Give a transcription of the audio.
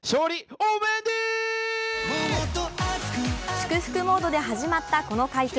祝福モードで始まった、この会見。